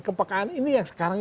kepekaan ini yang sekarang